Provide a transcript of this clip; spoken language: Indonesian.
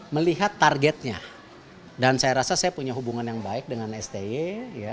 melihat targetnya dan saya rasa saya punya hubungan yang baik dengan sti ya